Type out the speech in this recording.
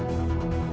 aku mau ke rumah